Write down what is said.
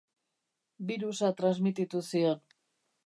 Birusa transmititu zion.